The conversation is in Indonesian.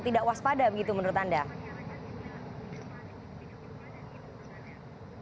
tidak waspada begitu menurut anda